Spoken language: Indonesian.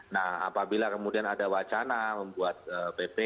nah apabila kemudian ada wacana membuat pp